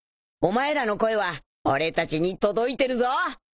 お前らの声は俺たちに届いてるぞ。